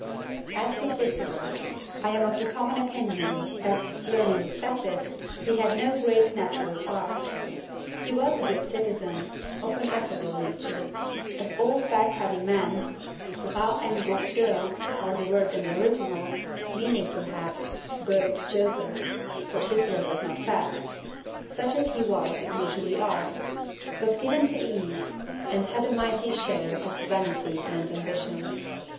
"As to Cicero, I am of the common opinion that, learning excepted, he had no great natural parts. He was a good citizen, of an affable nature, as all fat heavy men (gras et gausseurs are the words in the original, meaning perhaps broad jokers, for Cicero was not fat) such as he was, usually are; but given to ease, and had a mighty share of vanity and ambition.